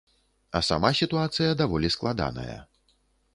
А сама сітуацыя даволі складаная.